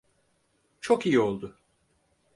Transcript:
Çok iyi oldu.